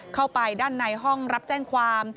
เข้าไปด้านในห้องรับแจ้งความ